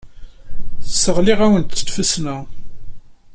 Sseɣliɣ-awen deg tfesna.